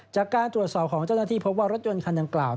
จากการตรวจสอบของเจ้าหน้าที่พบว่ารถยนต์คันดังกล่าว